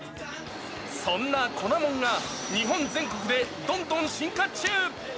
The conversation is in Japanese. そんな粉もんが、日本全国でどんどん進化中。